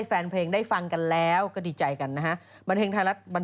ต้องมีข่าวจากคุณการ